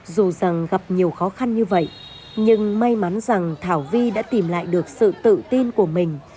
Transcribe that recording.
dù rằng gặp nhiều khó khăn như vậy nhưng may mắn rằng thảo vi đã tìm lại được sự tự tin của mình